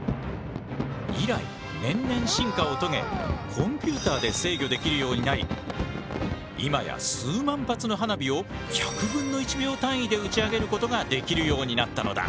以来年々進化をとげコンピューターで制御できるようになり今や数万発の花火を１００分の１秒単位で打ち上げることができるようになったのだ。